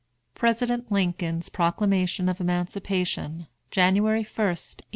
PRESIDENT LINCOLN'S PROCLAMATION OF EMANCIPATION, JANUARY 1, 1863.